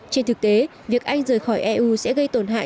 trên thực tế việc anh rời khỏi eu sẽ gây tổn hại